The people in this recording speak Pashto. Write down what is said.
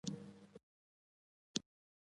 واکمنه طبقه نویو غړو د راتګ مخه نیولای شوه